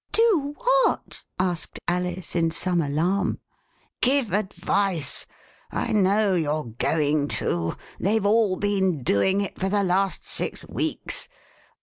Do what ?'* asked Alice, in some alarm. Give advice. I know youVe going to. They've all been doing it for the last six weeks.